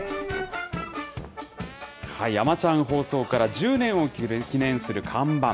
あまちゃん放送から１０年を記念する看板。